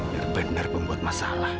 bener bener pembuat masalah